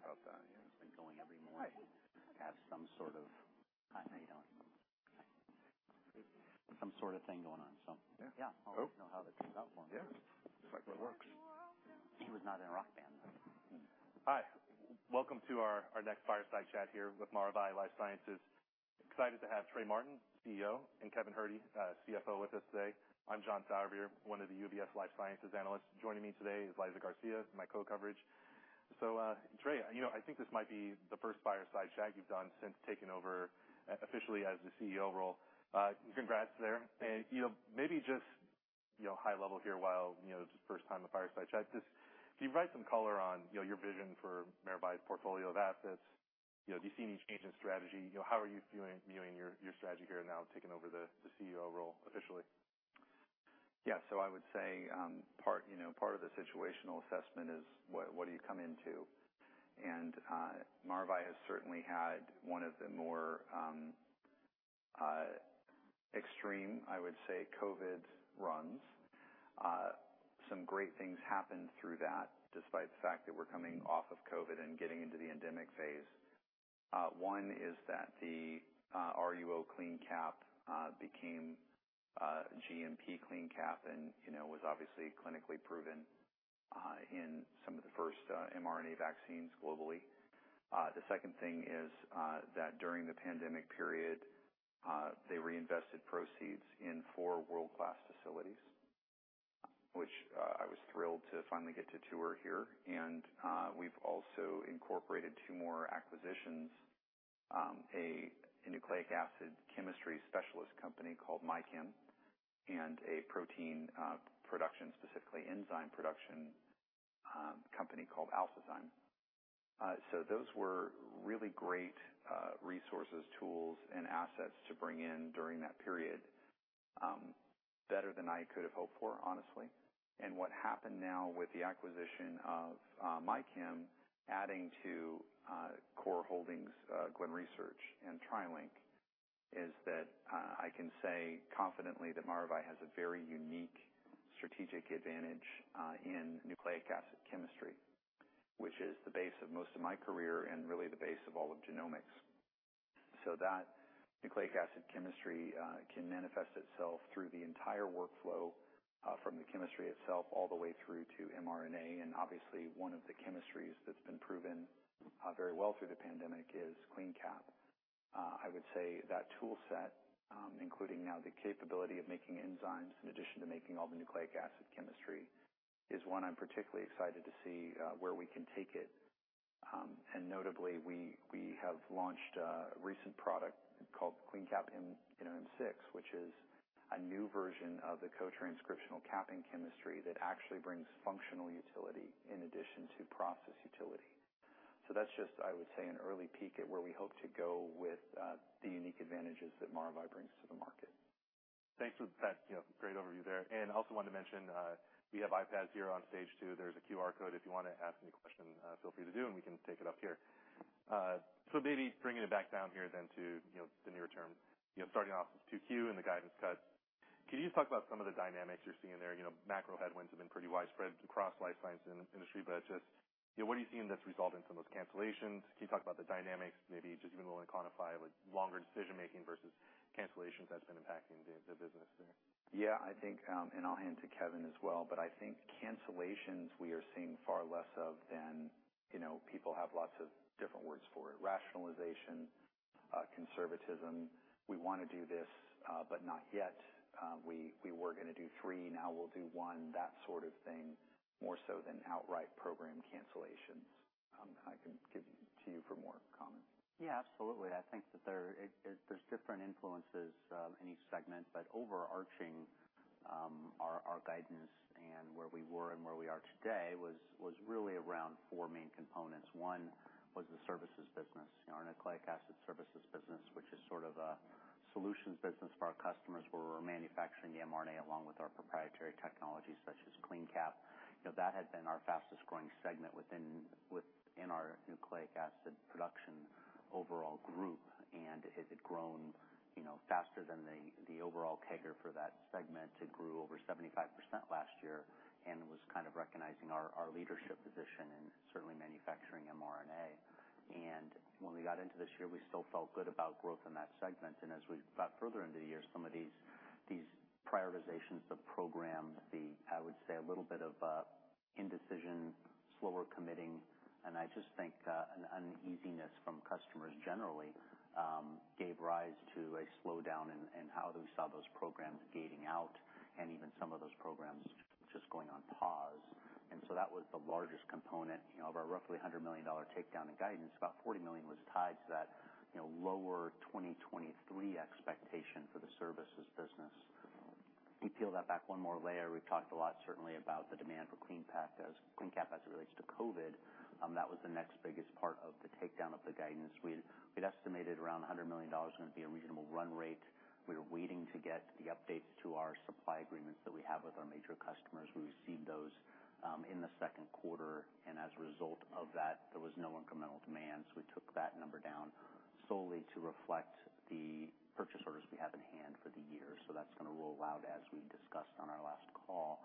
I hear about that. Yeah, it's been going every morning. Have some sort of. Hi, how you doing? Hi. Some sort of thing going on, so yeah. Yeah. I'll let you know how that turns out for him. Yeah, just like my rocks. He was not in a rock band. Hi, welcome to our, our next Fireside Chat here with Maravai LifeSciences. Excited to have Trey Martin, CEO, and Kevin Herde, CFO, with us today. I'm John Sourbeer, one of the UBS's life sciences analysts. Joining me today is Elizabeth Garcia, my co-coverage. Trey, you know, I think this might be the first Fireside Chat you've done since taking over officially as the CEO role. Congrats there. You know, maybe just, you know, high level here while, you know, it's his first time on the Fireside Chat, just can you provide some color on, you know, your vision for Maravai's portfolio of assets? You know, do you see any change in strategy? You know, how are you viewing, viewing your, your strategy here now, taking over the, the CEO role officially? I would say, part, you know, part of the situational assessment is what, what do you come into? Maravai has certainly had one of the more, extreme, I would say, COVID runs. Some great things happened through that, despite the fact that we're coming off of COVID and getting into the endemic phase. One is that the RUO CleanCap became a GMP CleanCap and, you know, was obviously clinically proven, in some of the first mRNA vaccines globally. The second thing is, that during the pandemic period, they reinvested proceeds in four world-class facilities, which I was thrilled to finally get to tour here. We've also incorporated 2 more acquisitions, a nucleic acid chemistry specialist company called MyChem, and a protein, production, specifically enzyme production, company called Alphazyme. Those were really great resources, tools, and assets to bring in during that period. Better than I could have hoped for, honestly. What happened now with the acquisition of MyChem, adding to core holdings, Glen Research and TriLink, is that I can say confidently that Maravai has a very unique strategic advantage in nucleic acid chemistry, which is the base of most of my career and really the base of all of genomics. That nucleic acid chemistry can manifest itself through the entire workflow, from the chemistry itself all the way through to mRNA. Obviously, one of the chemistries that's been proven very well through the pandemic is CleanCap. I would say that tool set, including now the capability of making enzymes in addition to making all the nucleic acid chemistry, is one I'm particularly excited to see where we can take it. Notably, we, we have launched a recent product called CleanCap M, you know, M6, which is a new version of the co-transcriptional capping chemistry that actually brings functional utility in addition to process utility. That's just, I would say, an early peak at where we hope to go with the unique advantages that Maravai brings to the market. Thanks for that, you know, great overview there. I also wanted to mention, we have iPads here on stage, too. There's a QR code if you want to ask any question, feel free to do, and we can take it up here. Maybe bringing it back down here then to, you know, the near term. You know, starting off with 2Q and the guidance cut, can you talk about some of the dynamics you're seeing there? You know, macro headwinds have been pretty widespread across life sciences industry, but just, you know, what are you seeing that's resulting from those cancellations? Can you talk about the dynamics, maybe just even want to quantify with longer decision-making versus cancellations that's been impacting the business there? Yeah, I think, and I'll hand to Kevin as well, but I think cancellations, we are seeing far less of than. You know, people have lots of different words for it, rationalization, conservatism. We want to do this, but not yet. We, we were going to do three, now we'll do one, that sort of thing, more so than outright program cancellations. I can give to you for more comments. Yeah, absolutely. I think that there, there's different influences in each segment, but overarching, our, our guidance and where we were and where we are today, was, was really around four main components. One was the services business, our nucleic acid services business, which is sort of a solutions business for our customers, where we're manufacturing the mRNA along with our proprietary technologies such as CleanCap. You know, that had been our fastest growing segment within, within our nucleic acid production overall group, and it had grown, you know, faster than the, the overall CAGR for that segment. It grew over 75% last year and was kind of recognizing our, our leadership position in certainly manufacturing mRNA. When we got into this year, we still felt good about growth in that segment. As we got further into the year, some of these, these prioritizations of programs, I would say a little bit of indecision, slower committing, and I just think an uneasiness from customers generally, gave rise to a slowdown in, in how we saw those programs gating out, and even some of those programs just going on pause. That was the largest component. You know, of our roughly $100 million takedown in guidance, about $40 million was tied to that, you know, lower 2023 expectation for the services business. We peel that back one more layer. We've talked a lot, certainly, about the demand for CleanCap, as it relates to COVID. That was the next biggest part of the takedown of the guidance. We'd, we'd estimated around $100 million was going to be a reasonable run rate. We were waiting to get the updates to our supply agreements that we have with our major customers. We received those in the Q2, and as a result of that, there was no incremental demand, so we took that number down solely to reflect the purchase orders we have in hand for the year. That's going to roll out as we discussed on our last call.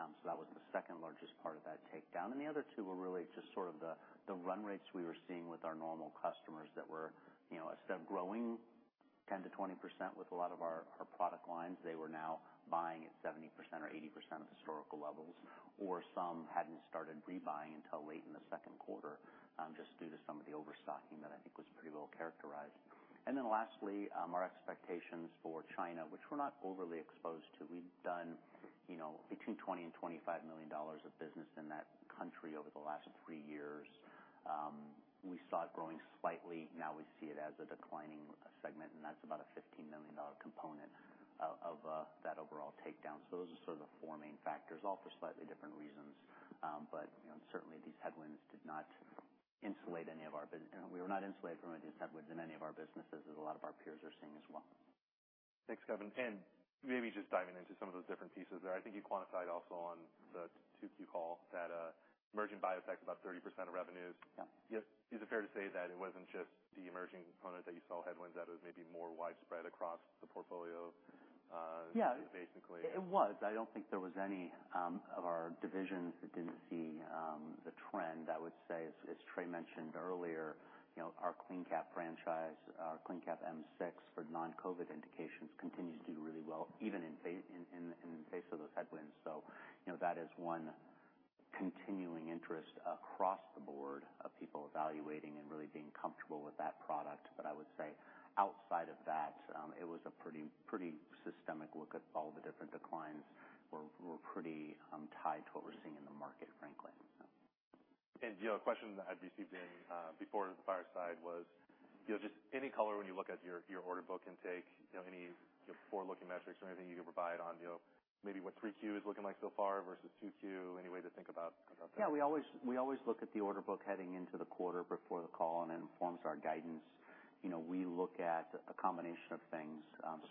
So that was the second largest part of that takedown. The other two were really just sort of the, the run rates we were seeing with our normal customers that were, you know, instead of growing 10%-20% with a lot of our, our product lines, they were now buying at 70% or 80% of historical levels, or some hadn't started rebuying until late in the Q2, just due to some of the overstocking that I think was pretty well characterized. Lastly, our expectations for China, which we're not overly exposed to. We've done, you know, between $20 million and $25 million of business in that country over the last three years. We saw it growing slightly, now we see it as a declining segment, and that's about a $15 million component of, of that overall takedown. those are sort of the four main factors, all for slightly different reasons. you know, certainly these headwinds did not insulate any of our bus- We were not insulated from these headwinds in any of our businesses, as a lot of our peers are seeing as well. Thanks, Kevin. Maybe just diving into some of those different pieces there. I think you quantified also on the 2Q call that emerging biotech, about 30% of revenues. Yeah. Is it fair to say that it wasn't just the emerging component that you saw headwinds, that it was maybe more widespread across the portfolio? Yeah. Basically. It was. I don't think there was any of our divisions that didn't see the trend. I would say, as Trey mentioned earlier, you know, our CleanCap franchise, our CleanCap M6 for non-COVID indications, continues to do really well, even in the face of those headwinds. You know, that is one continuing interest across the board of people evaluating and really being comfortable with that product. I would say outside of that, it was a pretty, pretty systemic look at all the different declines. Were, were pretty tied to what we're seeing in the market, frankly. You know, a question that I've received in, before the fireside was, just any color when you look at your, your order book intake, you know, any forward-looking metrics or anything you can provide on, you know, maybe what 3Q is looking like so far versus 2Q? Any way to think about that? Yeah, we always, we always look at the order book heading into the quarter before the call. It informs our guidance. You know, we look at a combination of things,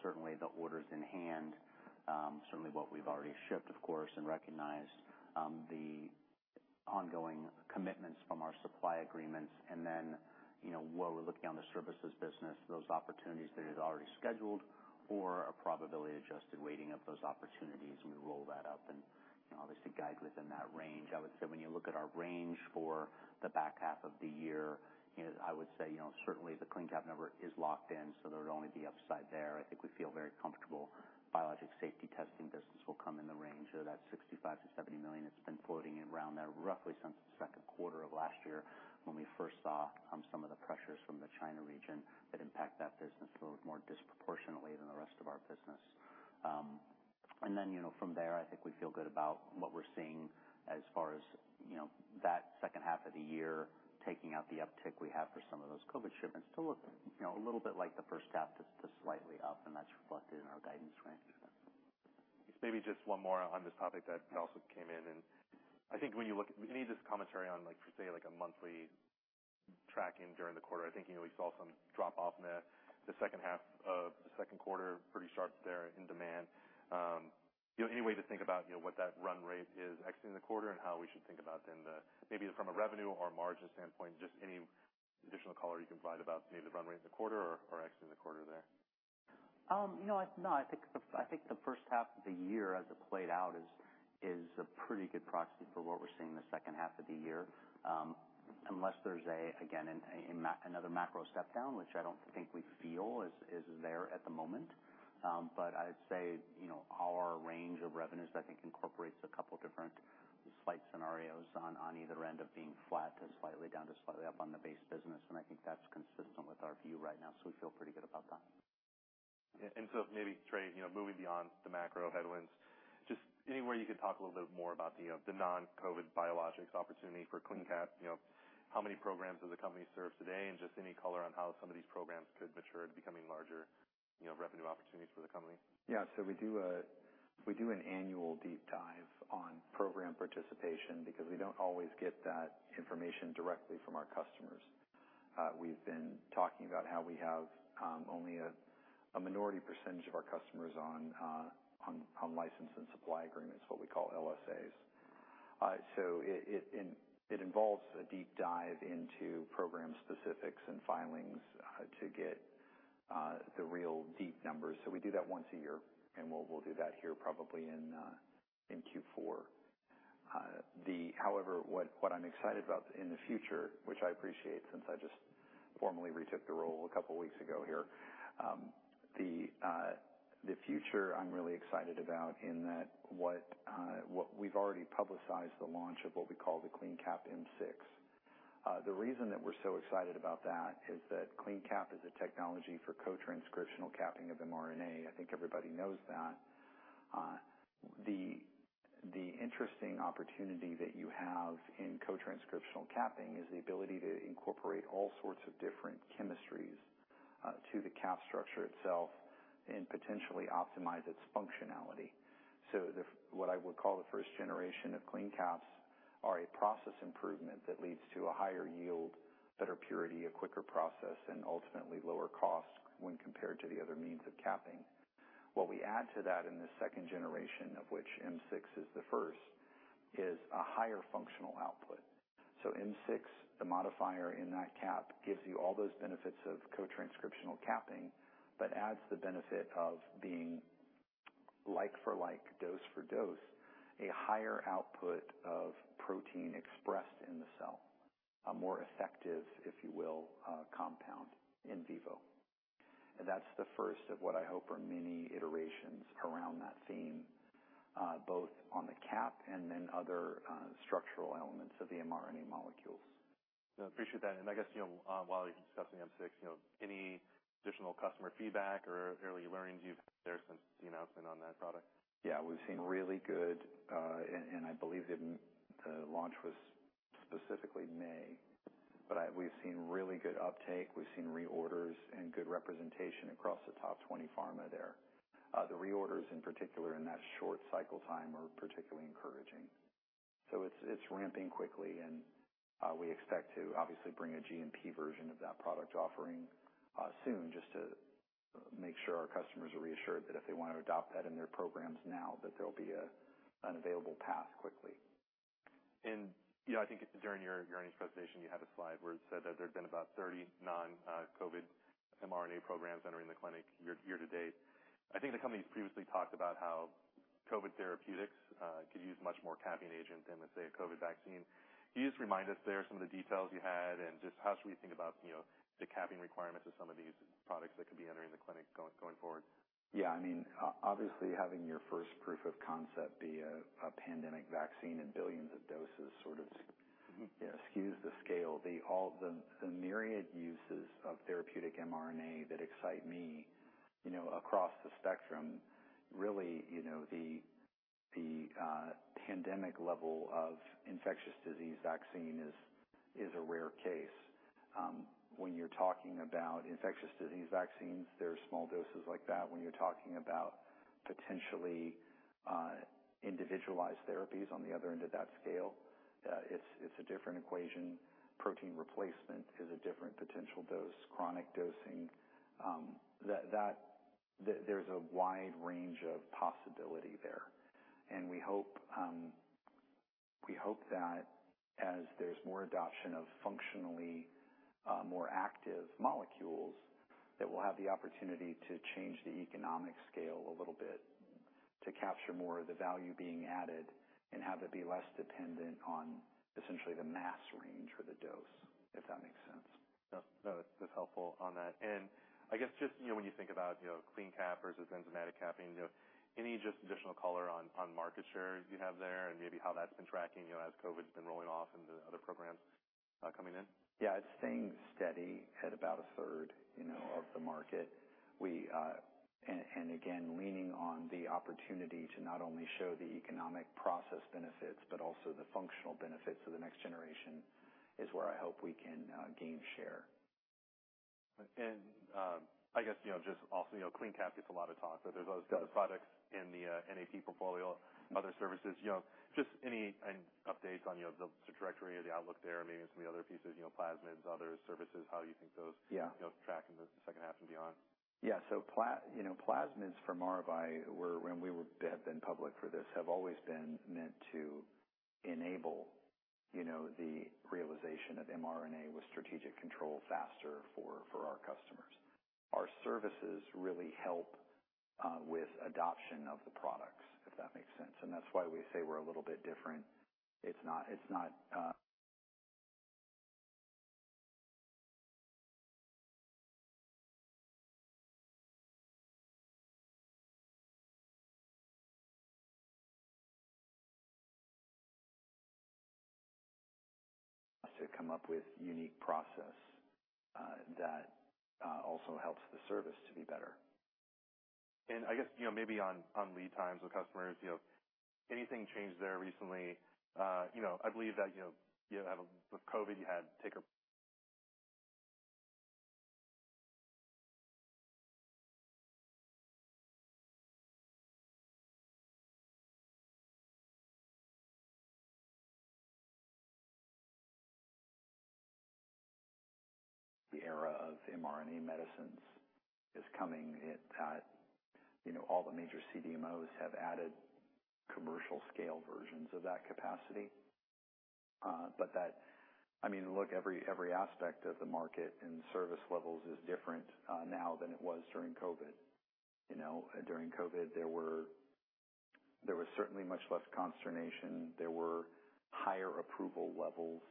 certainly the orders in hand, certainly what we've already shipped, of course, and recognize the ongoing commitments from our supply agreements. You know, what we're looking on the services business, those opportunities that is already scheduled or a probability-adjusted weighting of those opportunities, we roll that up and, you know, obviously guide within that range. I would say, when you look at our range for the back half of the year, I would say, you know, certainly the CleanCap number is locked in, so there would only be upside there. I think we feel very comfortable biologic safety testing business will come in the range of that $65 million-$70 million. It's been floating around there roughly since the Q2 of last year, when we first saw some of the pressures from the China region that impact that business a little more disproportionately than the rest of our business. Then, you know, from there, I think we feel good about what we're seeing as far as, you know, that second half of the year, taking out the uptick we have for some of those COVID shipments to look, you know, a little bit like the first half, just, just slightly up, and that's reflected in our guidance range. Maybe just one more on this topic that also came in. You need this commentary on, like, for, say, like, a monthly tracking during the quarter. I think, you know, we saw some drop off in the second half of the Q2, pretty sharp there in demand. Any way to think about, you know, what that run rate is exiting the quarter and how we should think about then maybe from a revenue or margin standpoint, just any additional color you can provide about maybe the run rate in the quarter or exiting the quarter there? You know, no, I think the, I think the first half of the year as it played out is, is a pretty good proxy for what we're seeing in the second half of the year. Unless there's a, again, another macro step down, which I don't think we feel is, is there at the moment. I'd say, you know, our range of revenues, I think, incorporates a couple different slight scenarios on, on either end of being flat to slightly down to slightly up on the base business, and I think that's consistent with our view right now, so we feel pretty good about that. Yeah. Maybe, Trey, you know, moving beyond the macro headwinds, just anywhere you could talk a little bit more about the non-COVID biologics opportunity for CleanCap. You know, how many programs does the company serve today? Just any color on how some of these programs could mature to becoming larger, you know, revenue opportunities for the company. Yeah, so we do a, we do an annual deep dive on program participation because we don't always get that information directly from our customers. We've been talking about how we have, only a, a minority percentage of our customers on, on, on License and Supply Agreements, what we call LSAs. So it, it, it involves a deep dive into program specifics and filings, to get, the real deep numbers. So we do that once a year, and we'll, we'll do that here probably in Q4. However, what, what I'm excited about in the future, which I appreciate, since I just formally retook the role a couple weeks ago here. The, the future I'm really excited about in that what, what we've already publicized the launch of what we call the CleanCap M6. The reason that we're so excited about that is that CleanCap is a technology for co-transcriptional capping of mRNA. I think everybody knows that. The interesting opportunity that you have in co-transcriptional capping is the ability to incorporate all sorts of different chemistries to the cap structure itself and potentially optimize its functionality. What I would call the first generation of CleanCaps, are a process improvement that leads to better purity, a quicker process, and ultimately lower cost when compared to the other means of capping. What we add to that in the second generation, of which M6 is the first, is a higher functional output. M6, the modifier in that cap, gives you all those benefits of co-transcriptional capping, but adds the benefit of being like for like, dose for dose, a higher output of protein expressed in the cell. A more effective, if you will, compound in vivo. That's the first of what I hope are many iterations around that theme, both on the cap and then other, structural elements of the mRNA molecules. No, appreciate that. I guess, you know, while you're discussing M6, you know, any additional customer feedback or early learnings you've had there since the announcement on that product? We've seen really good, and, and I believe the, the launch was specifically May, but we've seen really good uptake. We've seen reorders and good representation across the top 20 pharma there. The reorders in particular in that short cycle time are particularly encouraging. It's, it's ramping quickly, and, we expect to obviously bring a GMP version of that product offering, soon, just to make sure our customers are reassured that if they want to adopt that in their programs now, that there'll be a, an available path quickly. You know, I think during your, during this presentation, you had a slide where it said that there had been about 30 non-COVID mRNA programs entering the clinic year to date. I think the company's previously talked about how COVID therapeutics could use much more capping agent than, let's say, a COVID vaccine. Can you just remind us there some of the details you had, and just how should we think about, you know, the capping requirements of some of these products that could be entering the clinic going, going forward? Yeah, I mean, obviously, having your first proof of concept be a pandemic vaccine and billions of doses sort of. Mm-hmm Skews the scale. The, all the, the myriad uses of therapeutic mRNA that excite me, you know, across the spectrum, really, you know, the, the, pandemic level of infectious disease vaccine is, is a rare case. When you're talking about infectious disease vaccines, there's small doses like that. When you're talking about potentially, individualized therapies on the other end of that scale, it's, it's a different equation. Protein replacement is a different potential dose, chronic dosing. That there's a wide range of possibility there, and we hope, we hope that as there's more adoption of functionally, more active molecules, that we'll have the opportunity to change the economic scale a little bit, to capture more of the value being added and have it be less dependent on essentially the mass range for the dose, if that makes sense. No, no, that's helpful on that. I guess, just, you know, when you think about, you know, CleanCap versus enzymatic capping, you know, any just additional color on, on market share you have there and maybe how that's been tracking, you know, as COVID's been rolling off into the other programs, coming in? Yeah, it's staying steady at about a third, you know, of the market. Again, leaning on the opportunity to not only show the economic process benefits, but also the functional benefits of the next generation, is where I hope we can gain share. I guess, you know, just also, you know, CleanCap gets a lot of talk, but there's other products in the NAP portfolio, other services. You know, just any, any updates on, you know, the directory or the outlook there, and maybe some of the other pieces, you know, plasmids, other services, how you think those- Yeah You know, track in the second half and beyond? Yeah. Plasmids, you know, plasmids for Maravai were, when we have been public for this, have always been meant to enable, you know, the realization of mRNA with strategic control faster for, for our customers. Our services really help with adoption of the products, if that makes sense, and that's why we say we're a little bit different. It's not, it's not. To come up with unique process that also helps the service to be better. I guess, you know, maybe on, on lead times with customers, you know, anything changed there recently? You know, I believe that, you know, with COVID, The era of mRNA medicines is coming. It, you know, all the major CDMOs have added commercial scale versions of that capacity. I mean, look, every, every aspect of the market and service levels is different, now than it was during COVID. You know, during COVID, there were, there was certainly much less consternation. There were higher approval levels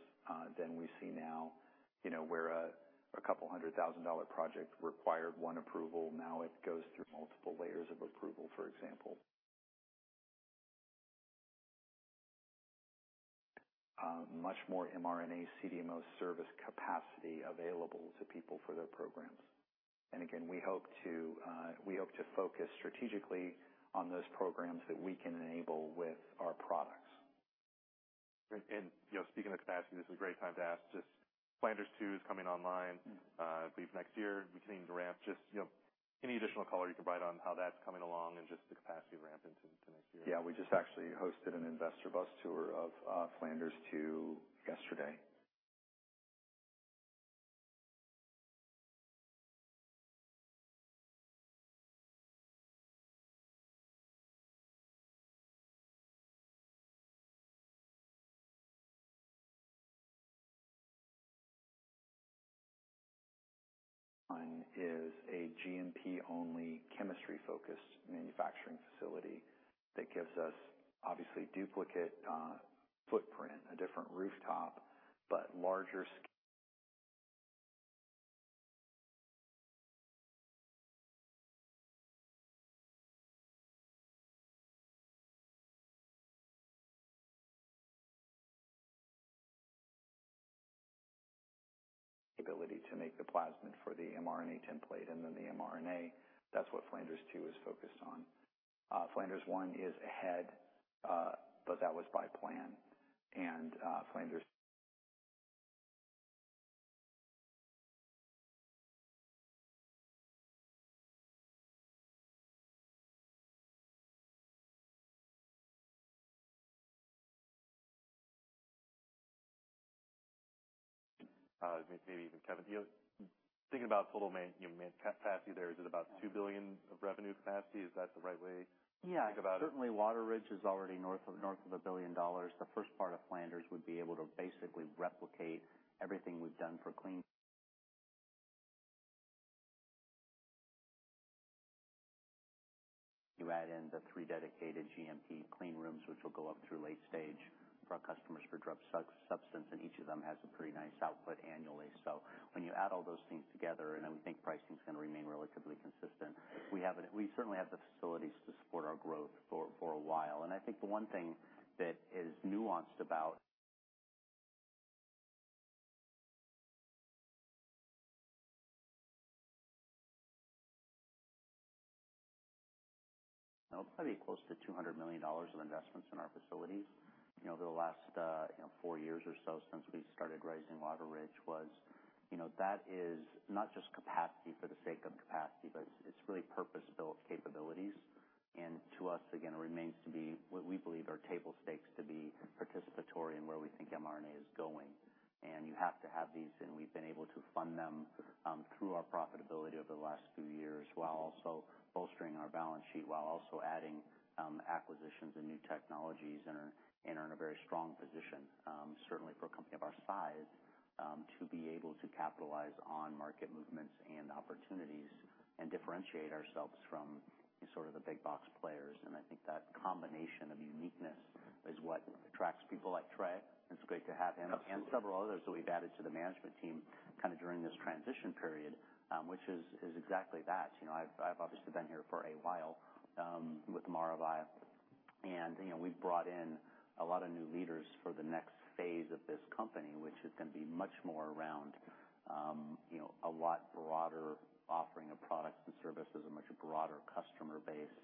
than we see now, you know, where a $200,000 project required one approval, now it goes through multiple layers of approval, for example. Much more mRNA CDMO service capacity available to people for their programs. Again, we hope to, we hope to focus strategically on those programs that we can enable with our products. Great. you know, speaking of capacity, this is a great time to ask, just Flanders 2 is coming online- Mm-hmm. I believe next year, beginning to ramp. Just, you know. Any additional color you can provide on how that's coming along and just the capacity ramp into next year? Yeah, we just actually hosted an investor bus tour of Flanders 2 yesterday. One is a GMP-only, chemistry-focused manufacturing facility that gives us obviously duplicate footprint, a different rooftop, but larger ability to make the plasmid for the mRNA template and then the mRNA. That's what Flanders 2 is focused on. Flanders 1 is ahead, but that was by plan. Maybe even Kevin. Mm-hmm. Thinking about total capacity there, is it about $2 billion of revenue capacity? Is that the right way- Yeah. to think about it? Certainly, Wateridge is already north of $1 billion. The first part of Flanders would be able to basically replicate everything we've done for clean. You add in the three dedicated GMP clean rooms, which will go up through late stage for our customers for drug substance, each of them has a pretty nice output annually. When you add all those things together, then we think pricing is going to remain relatively consistent, we certainly have the facilities to support our growth for a while. I think the one thing that is nuanced about... No, it's probably close to $200 million of investments in our facilities, you know, over the last, you know, four years or so since we started raising Wateridge was, you know, that is not just capacity for the sake of capacity, but it's, it's really purpose-built capabilities. To us, again, it remains to be what we believe are table stakes to be participatory and where we think mRNA is going. You have to have these, and we've been able to fund them through our profitability over the last few years, while also bolstering our balance sheet, while also adding acquisitions and new technologies, and are, and are in a very strong position, certainly for a company of our size, to be able to capitalize on market movements and opportunities and differentiate ourselves from sort of the big box players. I think that combination of uniqueness is what attracts people like Trey. It's great to have him. Absolutely. Several others that we've added to the management team, kind of during this transition period, which is exactly that. You know, I've, I've obviously been here for a while with Maravai, and, you know, we've brought in a lot of new leaders for the next phase of this company, which is going to be much more around, you know, a lot broader offering of products and services, a much broader customer base,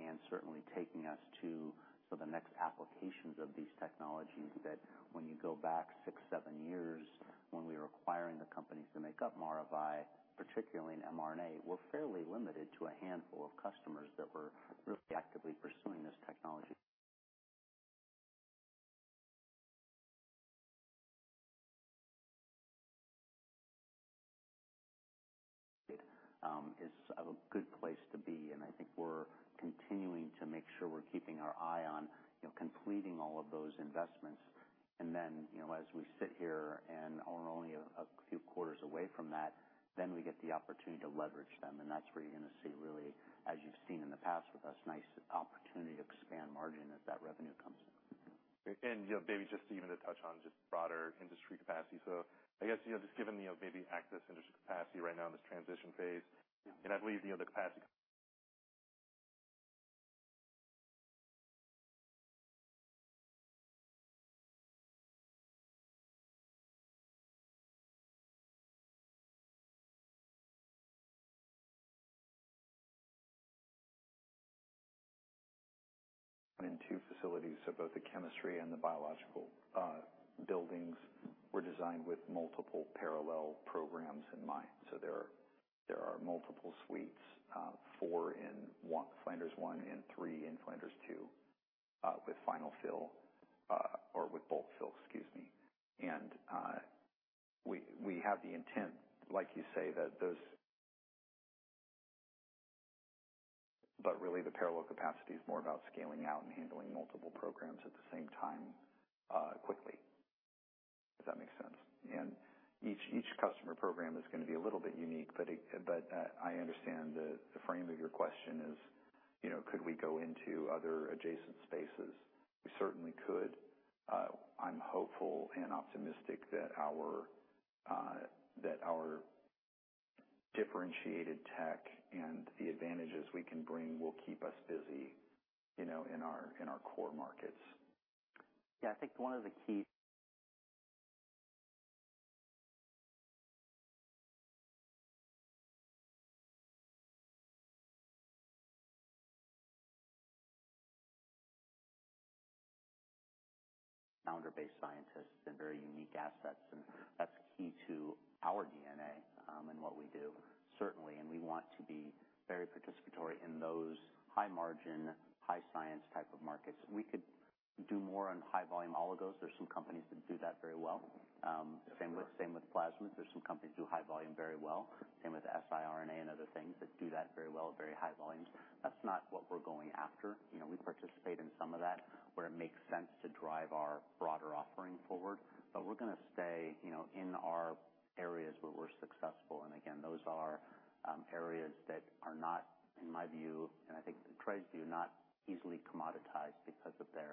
and certainly taking us to sort of the next applications of these technologies, that when you go back six, seven years, when we were acquiring the companies to make up Maravai, particularly in mRNA, were fairly limited to a handful of customers that were really actively pursuing this technology. is of a good place to be, and I think we're continuing to make sure we're keeping our eye on, you know, completing all of those investments. You know, as we sit here and are only a few quarters away from that, then we get the opportunity to leverage them, and that's where you're going to see really, as you've seen in the past with us, nice opportunity to expand margin as that revenue comes in. You know, maybe just even to touch on just broader industry capacity. I guess, you know, just given, you know, maybe access industry capacity right now in this transition phase, and I believe, you know, the capacity. In two facilities. Both the chemistry and the biological buildings were designed with multiple parallel programs in mind. There are, there are multiple suites, four in Flanders 1, and three in Flanders 2, with final fill, or with both fill, excuse me. We, we have the intent, like you say, that those. Really, the parallel capacity is more about scaling out and handling multiple programs at the same time, quickly, if that makes sense. Each customer program is going to be a little bit unique, but I understand the frame of your question is, you know, could we go into other adjacent spaces? We certainly could. I'm hopeful and optimistic that our differentiated tech and the advantages we can bring will keep us busy, you know, in our, in our core markets. Yeah, I think one of the key founder-based scientists and very unique assets, and that's key to our DNA, and what we do, certainly. We want to be very participatory in those high margin, high science type of markets. We could do more on high volume oligos. There's some companies that do that very well. Same with, same with plasmids. There's some companies do high volume very well, same with siRNA and other things, that do that very well at very high volumes. That's not what we're going after. You know, we participate in some of that where it makes sense to drive our broader offering forward, but we're going to stay, you know, in our areas where we're successful. Again, those are areas that are not, in my view, and I think Trey's view, not easily commoditized because of the,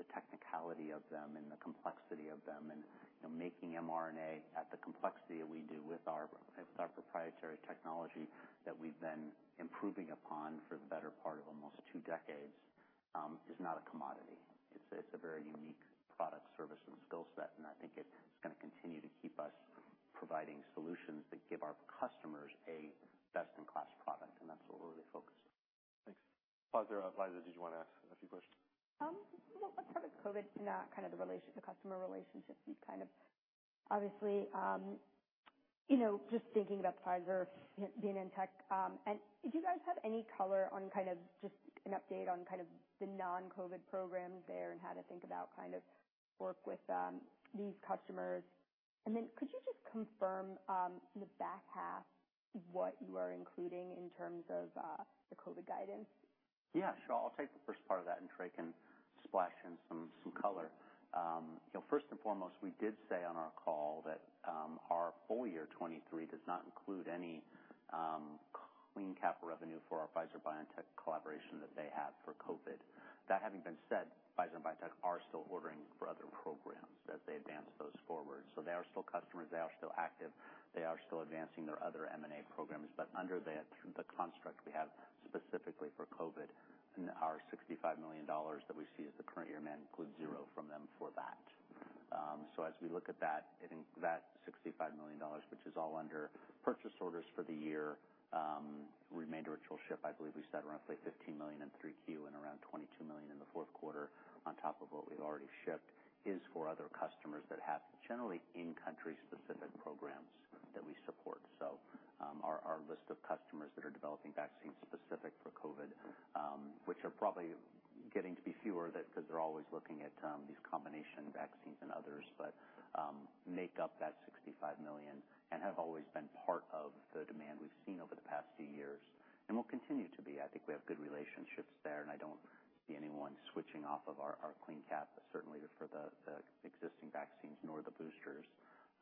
the technicality of them and the complexity of them. You know, making mRNA at the complexity that we do with our, with our proprietary technology that we've been improving upon for the better part of almost two decades, is not a commodity. It's, it's a very unique product, service, and skill set, and I think it's going to continue to keep us providing solutions that give our customers a best-in-class product, that's what we're really focused on. Thanks. Elizabeth, did you want to ask a few questions? Well, let's start with COVID, and kind of the customer relationships, you've kind of obviously, you know, just thinking about Pfizer, BioNTech, and do you guys have any color on kind of just an update on kind of the non-COVID programs there, and how to think about kind of work with these customers? Then could you just confirm, in the back half, what you are including in terms of the COVID guidance? Yeah, sure. I'll take the first part of that, and Trey can splash in some, some color. you know, first and foremost, we did say on our call that our full year 2023 does not include any CleanCap revenue for our Pfizer-BioNTech collaboration that they have for COVID. That having been said, Pfizer and BioNTech are still ordering for other programs as they advance those forward. They are still customers, they are still active, they are still advancing their other mRNA programs. Under the, the construct we have specifically for COVID, in our $65 million that we see as the current year, man, includes zero from them for that. As we look at that, I think that $65 million, which is all under purchase orders for the year, remainder, which will ship, I believe we said roughly $15 million in Q3 and around $22 million in the fourth quarter, on top of what we've already shipped, is for other customers that have generally in-country specific programs that we support. Our, our list of customers that are developing vaccines specific for COVID, which are probably getting to be fewer that because they're always looking at, these combination vaccines and others, but, make up that $65 million and have always been part of the demand we've seen over the past few years and will continue to be. I think we have good relationships there, and I don't see anyone switching off of our, our CleanCap, certainly for the, the existing vaccines nor the boosters.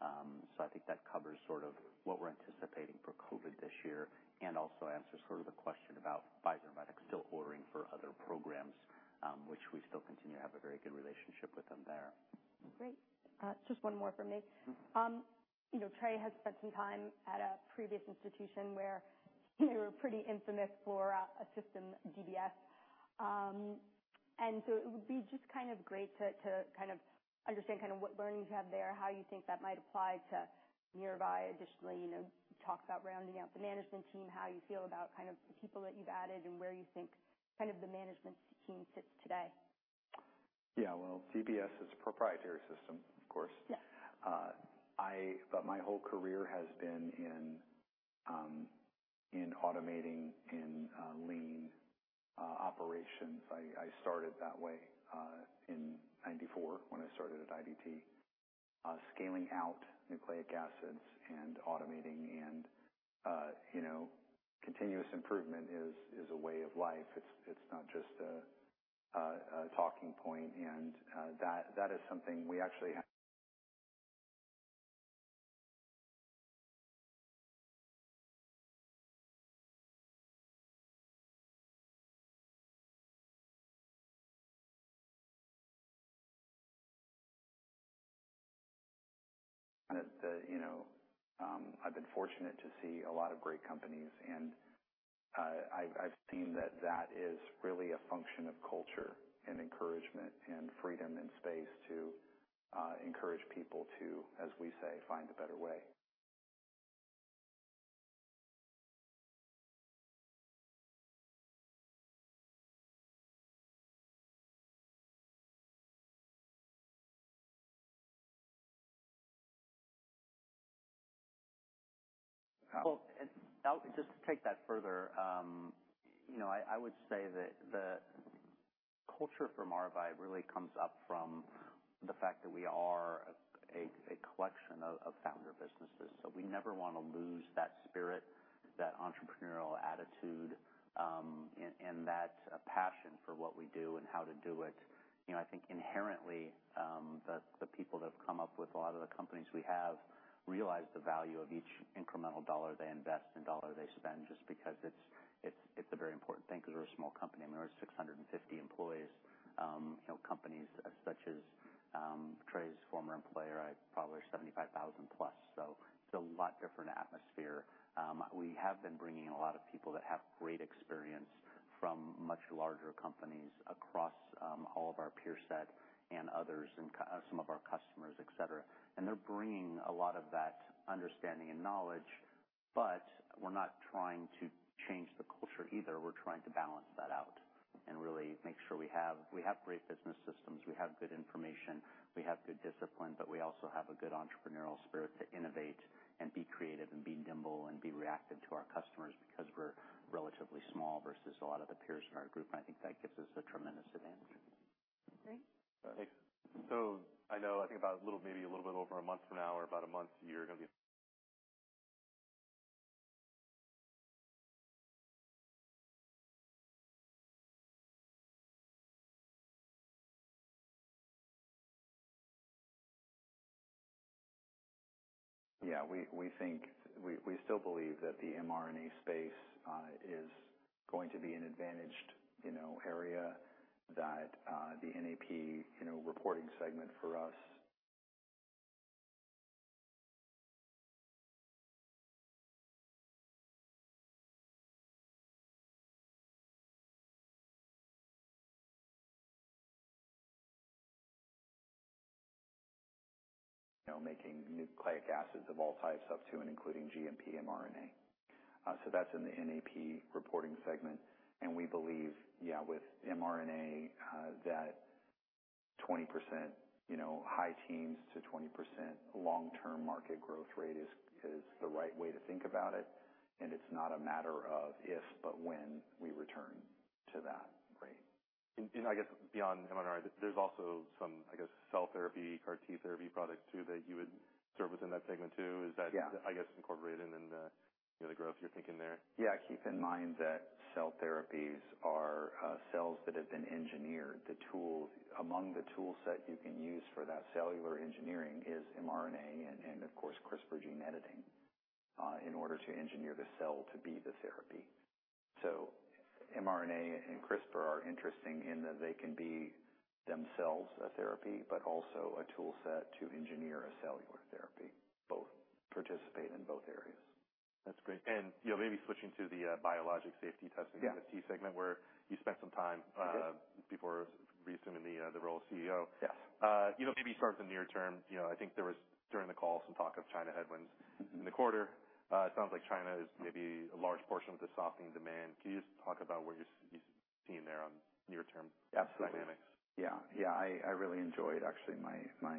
I think that covers sort of what we're anticipating for COVID this year, and also answers sort of the question about Pfizer Medics still ordering for other programs, which we still continue to have a very good relationship with them there. Great. Just one more from me. Mm-hmm. You know, Trey has spent some time at a previous institution where you're pretty infamous for a, a system, DBS. It would be just kind of great to, to kind of understand kind of what learnings you have there, how you think that might apply to Maravai. Additionally, you know, talk about rounding out the management team, how you feel about kind of the people that you've added, and where you think kind of the management team sits today. Yeah. Well, DBS is a proprietary system, of course. Yeah. My whole career has been in automating, in lean operations. I, I started that way in 94 when I started at IDT. Scaling out nucleic acids and automating and, you know, continuous improvement is, is a way of life. It's, it's not just a, a, a talking point. That, that is something we actually have. You know, I've been fortunate to see a lot of great companies, and I've, I've seen that that is really a function of culture and encouragement and freedom and space to encourage people to, as we say, "Find a better way. Well, and just to take that further, you know, I, I would say that the culture for Maravai really comes up from the fact that we are a, a collection of, of founder businesses. We never want to lose that spirit, that entrepreneurial attitude, and, and that passion for what we do and how to do it. You know, I think inherently, the, the people that have come up with a lot of the companies we have realize the value of each incremental dollar they invest and dollar they spend, just because it's, it's, it's a very important thing, because we're a small company, and there are 650 employees. You know, companies such as Trey's former employer, probably 75,000 plus, so it's a lot different atmosphere. We have been bringing in a lot of people that have great experience from much larger companies across all of our peer set and others, and some of our customers, et cetera. They're bringing a lot of that understanding and knowledge... We're not trying to change the culture either. We're trying to balance that out and really make sure we have, we have great business systems, we have good information, we have good discipline, but we also have a good entrepreneurial spirit to innovate and be creative and be nimble and be reactive to our customers, because we're relatively small versus a lot of the peers in our group, and I think that gives us a tremendous advantage. Great. Thanks. I know, I think about a little, maybe a little bit over a month from now or about a month, you're going to be- Yeah, we, we think, we, we still believe that the mRNA space is going to be an advantaged, you know, area that the NAP, you know, reporting segment for us, you know, making nucleic acids of all types up to and including GMP mRNA. That's in the NAP reporting segment. We believe, yeah, with mRNA, that 20%, you know, high teens to 20% long-term market growth rate is, is the right way to think about it. It's not a matter of if, but when we return to that rate. I guess beyond mRNA, there's also some, I guess, cell therapy, CAR T therapy products, too, that you would serve within that segment, too. Yeah. Is that, I guess, incorporated in the, the growth you're thinking there? Yeah. Keep in mind that cell therapies are cells that have been engineered. Among the tool set you can use for that cellular engineering is mRNA and, and of course, CRISPR gene editing, in order to engineer the cell to be the therapy. mRNA and CRISPR are interesting in that they can be themselves a therapy, but also a tool set to engineer a cellular therapy, participate in both areas. That's great. You know, maybe switching to the biologic safety testing... Yeah The T segment, where you spent some time- Yeah before recent in the, the role of CEO. Yes. You know, maybe start with the near term. You know, I think there was, during the call, some talk of China headwinds. Mm-hmm in the quarter. It sounds like China is maybe a large portion of the softening demand. Can you just talk about what you're, you're seeing there on near-term dynamics? Absolutely. Yeah. Yeah, I, I really enjoyed actually my, my,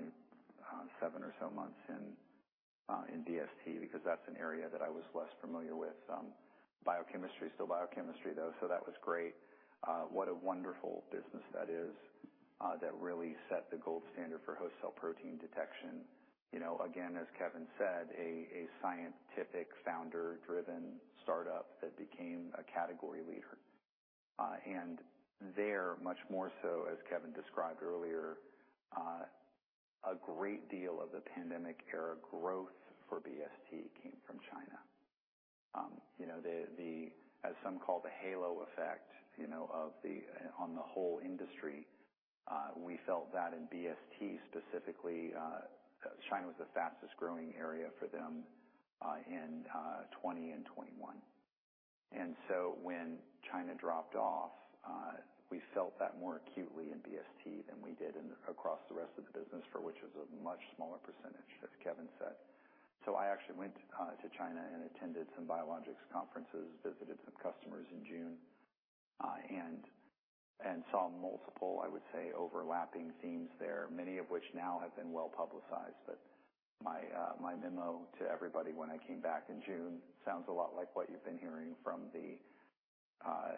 seven or so months in BST, because that's an area that I was less familiar with. Biochemistry is still biochemistry, though, so that was great. What a wonderful business that is, that really set the gold standard for host cell protein detection. You know, again, as Kevin Herde said, a scientific founder-driven startup that became a category leader. There, much more so, as Kevin Herde described earlier, a great deal of the pandemic era growth for BST came from China. You know, the, the, as some call, the halo effect, you know, of the- on the whole industry, we felt that in BST specifically. China was the fastest growing area for them, in 2020 and 2021. When China dropped off, we felt that more acutely in BST than we did in- across the rest of the business, for which it was a much smaller percentage, as Kevin said. I actually went to China and attended some biologics conferences, visited some customers in June, and saw multiple, I would say, overlapping themes there, many of which now have been well-publicized. My, my memo to everybody when I came back in June sounds a lot like what you've been hearing from the, from,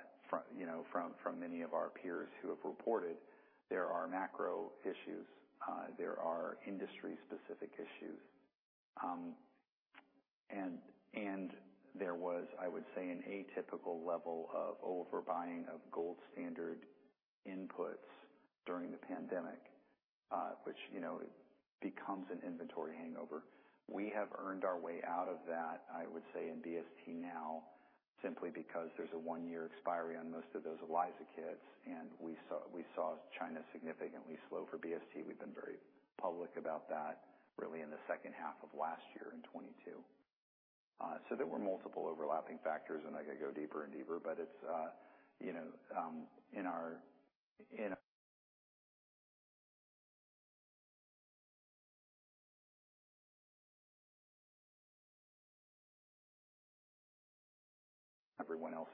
you know, from many of our peers who have reported there are macro issues, there are industry-specific issues. And there was, I would say, an atypical level of overbuying of gold standard inputs during the pandemic, which, you know, becomes an inventory hangover. We have earned our way out of that, I would say, in BST now, simply because there's a one-year expiry on most of those ELISA kits, and we saw, we saw China significantly slow for BST. We've been very public about that, really in the second half of last year in 2022. There were multiple overlapping factors, and I could go deeper and deeper, but it's, you know, everyone else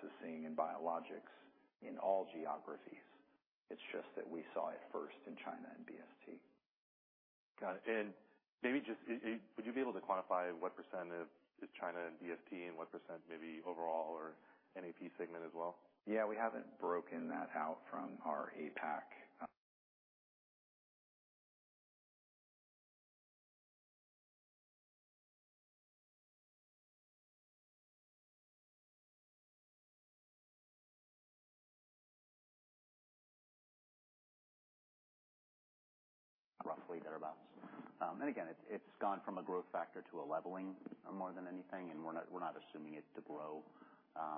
is seeing in biologics in all geographies. It's just that we saw it first in China and BST. Got it. Maybe just, would you be able to quantify what % of is China and BST and what % maybe overall or NAP segment as well? Yeah, we haven't broken that out from our APAC. Roughly thereabout. Again, it's, it's gone from a growth factor to a leveling more than anything, and we're not, we're not assuming it to grow.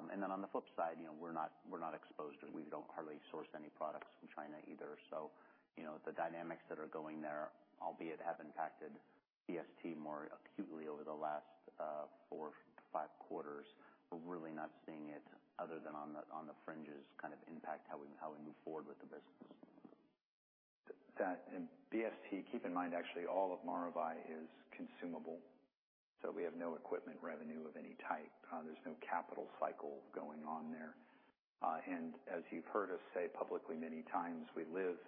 Then on the flip side, you know, we're not, we're not exposed, and we don't hardly source any products from China either. You know, the dynamics that are going there, albeit have impacted BST more acutely over the last 4-5 quarters, we're really not seeing it, other than on the, on the fringes kind of impact, how we, how we move forward with the business. That in BST, keep in mind, actually, all of Maravai is consumable, so we have no equipment revenue of any type. There's no capital cycle going on there. As you've heard us say publicly many times, we live,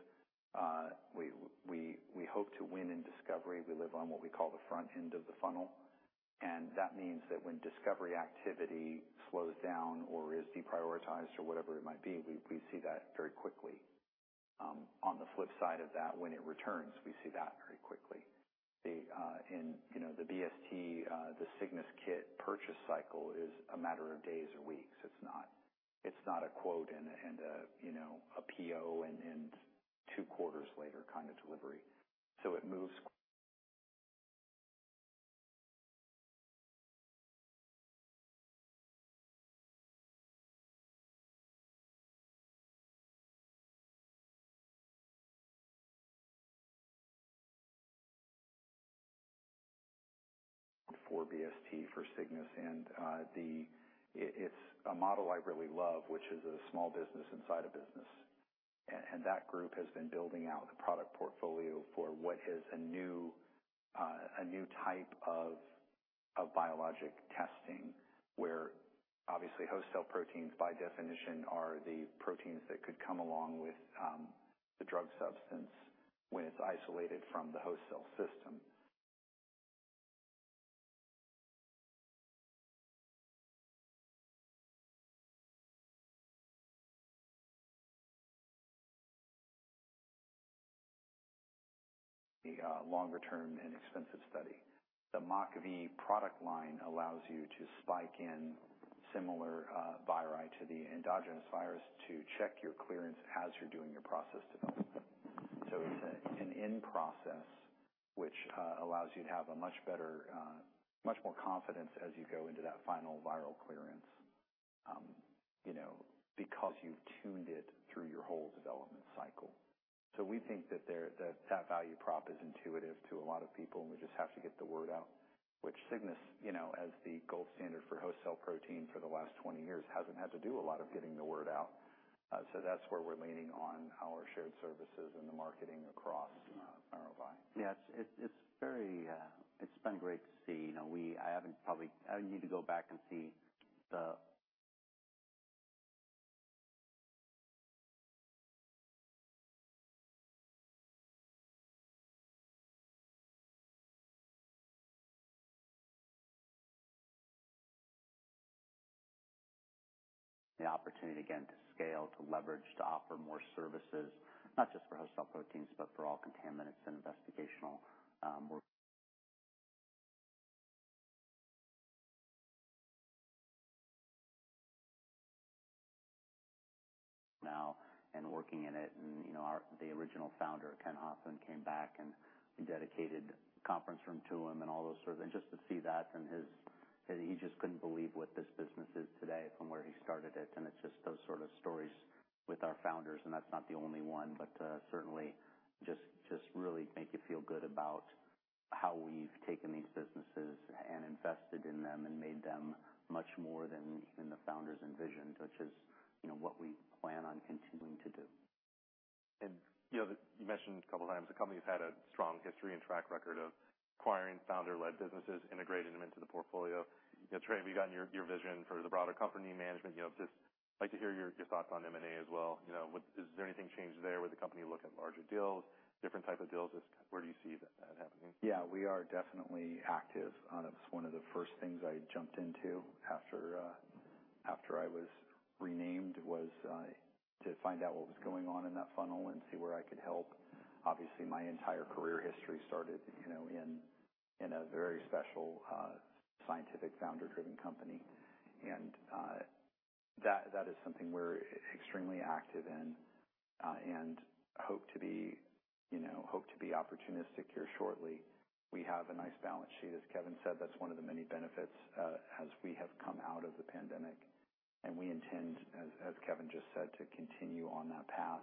we hope to win in discovery. We live on what we call the front end of the funnel, and that means that when discovery activity slows down or is deprioritized or whatever it might be, we see that very quickly. On the flip side of that, when it returns, we see that very quickly. The, and, you know, the BST, the Cygnus kit purchase cycle is a matter of days or weeks. It's not, it's not a quote and a, and a, you know, a PO and, and two quarters later kind of delivery. It moves- For BST, for Cygnus, and the, it's a model I really love, which is a small business inside a business. That group has been building out the product portfolio for what is a new, a new type of, of biologic testing, where obviously, host cell proteins, by definition, are the proteins that could come along with, the drug substance when it's isolated from the host cell system. The longer term and expensive study. The MockV product line allows you to spike in similar, viri to the endogenous virus to check your clearance as you're doing your process development. So it's an in-process, which allows you to have a much better, much more confidence as you go into that final viral clearance. You know, because you've tuned it through your whole development cycle. We think that there, that that value prop is intuitive to a lot of people, and we just have to get the word out, which Cygnus, you know, as the gold standard for host cell protein for the last 20 years, hasn't had to do a lot of getting the word out. That's where we're leaning on our shared services and the marketing across Maravai. Yes, it's, it's very. It's been great to see. You know, I haven't I need to go back and see The opportunity again to scale, to leverage, to offer more services, not just for host cell proteins, but for all contaminants and investigational work. Now, working in it, and, you know, our, the original founder, Ken Hoffman, came back, and we dedicated a conference room to him and all those sort of. Just to see that and his, he just couldn't believe what this business is today from where he started it. It's just those sort of stories with our founders, and that's not the only one, but, certainly just, just really make you feel good about how we've taken these businesses and invested in them and made them much more than even the founders envisioned, which is, you know, what we plan on continuing to do. You know, you mentioned a couple of times, the company's had a strong history and track record of acquiring founder-led businesses, integrating them into the portfolio. You know, Trey, we've gotten your, your vision for the broader company management. You know, just like to hear your, your thoughts on M&A as well. What has there anything changed there? Would the company look at larger deals, different type of deals? Just where do you see that, that happening? Yeah, we are definitely active. That's one of the first things I jumped into after I was renamed, was to find out what was going on in that funnel and see where I could help. Obviously, my entire career history started, you know, in, in a very special, scientific founder-driven company. That, that is something we're extremely active in and hope to be, you know, hope to be opportunistic here shortly. We have a nice balance sheet. As Kevin said, that's one of the many benefits as we have come out of the pandemic, and we intend, as, as Kevin just said, to continue on that path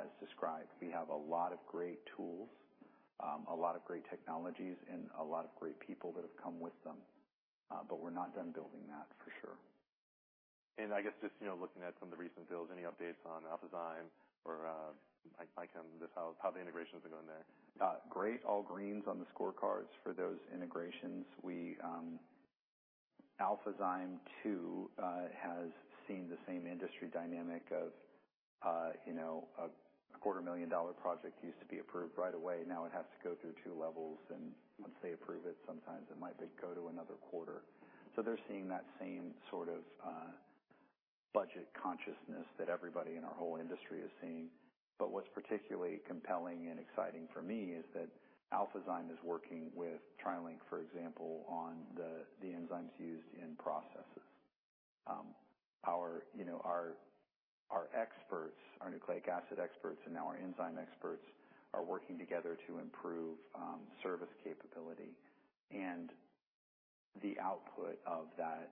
as described. We have a lot of great tools, a lot of great technologies, and a lot of great people that have come with them. We're not done building that, for sure. I guess just, you know, looking at some of the recent deals, any updates on Alphazyme or, like how, how the integrations are going there? Great. All greens on the scorecards for those integrations. We, Alphazyme, too, has seen the same industry dynamic of, you know, a $250,000 project used to be approved right away, now it has to go through 2 levels. Once they approve it, sometimes it might go to another quarter. They're seeing that same sort of, budget consciousness that everybody in our whole industry is seeing. What's particularly compelling and exciting for me is that Alphazyme is working with TriLink, for example, on the, the enzymes used in processes. Our, you know, our, our experts, our nucleic acid experts, and now our enzyme experts, are working together to improve, service capability. The output of that,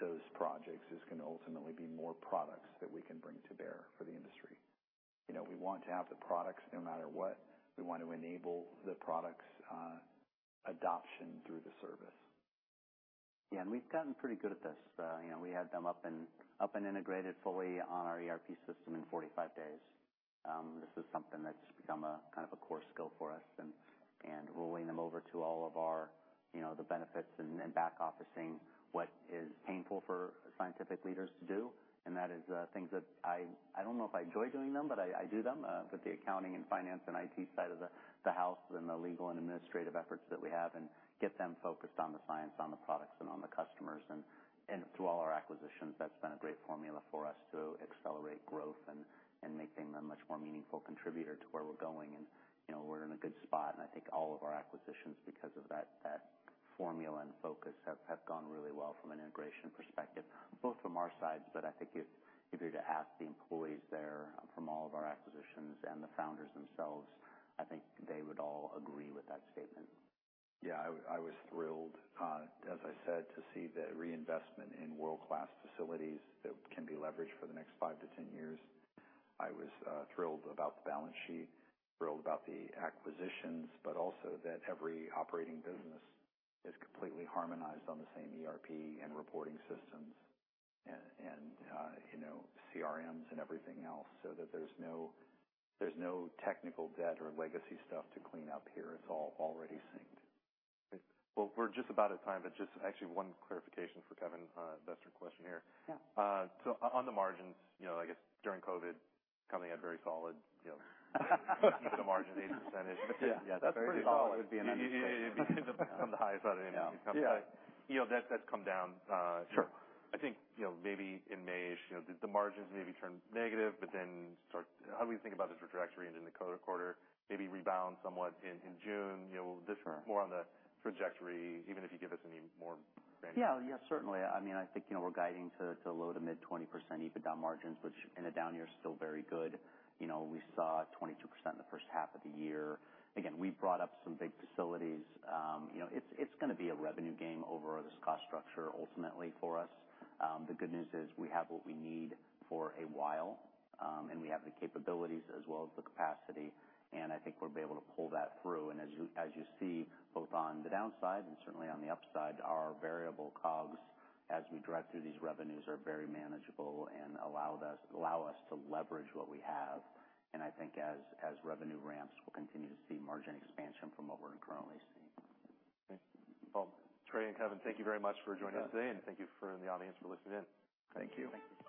those projects is gonna ultimately be more products that we can bring to bear for the industry. You know, we want to have the products, no matter what. We want to enable the products' adoption through the service. Yeah, and we've gotten pretty good at this. you know, we had them up and, up and integrated fully on our ERP system in 45 days. This is something that's become a, kind of a core skill for us, and, and rolling them over to all of our, you know, the benefits and, and back officing what is painful for scientific leaders to do, and that is, things that I, I don't know if I enjoy doing them, but I, I do them. The accounting and finance and IT side of the, the house, and the legal and administrative efforts that we have, and get them focused on the science, on the products, and on the customers. Through all our acquisitions, that's been a great formula for us to accelerate growth and, and making them a much more meaningful contributor to where we're going. You know, we're in a good spot, and I think all of our acquisitions, because of that, that formula and focus, have, have gone really well from an integration perspective, both from our sides, but I think if, if you were to ask the employees there from all of our acquisitions and the founders themselves, I think they would all agree with that statement. Yeah, I, I was thrilled, as I said, to see the reinvestment in world-class facilities that can be leveraged for the next 5 to 10 years. I was thrilled about the balance sheet, thrilled about the acquisitions, but also that every operating business is completely harmonized on the same ERP and reporting systems, and, you know, CRMs and everything else, so that there's no, there's no technical debt or legacy stuff to clean up here. It's all already synced. Well, we're just about out of time, but just actually 1 clarification for Kevin, investor question here. Yeah. On the margins, you know, I guess, during COVID, company had very solid, you know, margin, 8%. Yeah, that's pretty solid. On the high side, anyway. Yeah. You know, that, that's come down. Sure. I think, you know, maybe in May-ish, you know, the, the margins maybe turned negative, but then. How do we think about the trajectory into the quarter, maybe rebound somewhat in, in June? You know. Sure more on the trajectory, even if you give us any more bandwidth. Yeah, yeah, certainly. I mean, I think, you know, we're guiding to, to low to mid 20% EBITDA margins, which in a down year is still very good. You know, we saw 22% in the first half of the year. Again, we brought up some big facilities. You know, it's, it's gonna be a revenue game over this cost structure ultimately for us. The good news is, we have what we need for a while, and we have the capabilities as well as the capacity, and I think we'll be able to pull that through. As you, as you see, both on the downside and certainly on the upside, our variable COGS, as we drive through these revenues, are very manageable and allow us to leverage what we have. I think as, as revenue ramps, we'll continue to see margin expansion from what we're currently seeing. Okay. Well, Trey and Kevin, thank you very much for joining us today, and thank you for the audience for listening in. Thank you. Thank you.